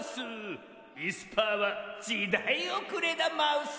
いすパーはじだいおくれだマウス。